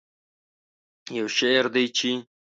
یو شعر دی چې